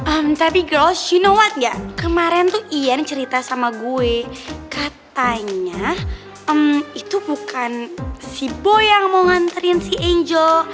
em tapi girls you know what gak kemaren tuh iyan cerita sama gue katanya em itu bukan si boy yang mau nganterin si angel